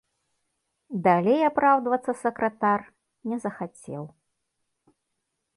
Далей апраўдвацца сакратар не захацеў.